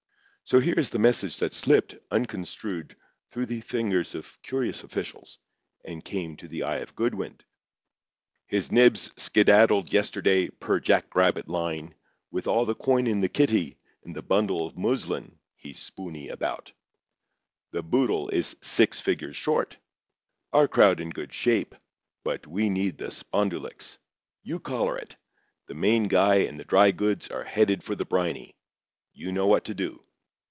So, here is the message that slipped, unconstrued, through the fingers of curious officials, and came to the eye of Goodwin: His Nibs skedaddled yesterday per jack rabbit line with all the coin in the kitty and the bundle of muslin he's spoony about. The boodle is six figures short. Our crowd in good shape, but we need the spondulicks. You collar it. The main guy and the dry goods are headed for the briny. You know what to do.